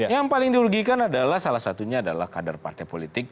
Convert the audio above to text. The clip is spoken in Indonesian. yang paling dirugikan adalah salah satunya adalah kader partai politik